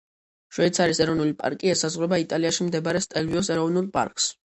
შვეიცარიის ეროვნული პარკი ესაზღვრება იტალიაში მდებარე სტელვიოს ეროვნულ პარკს.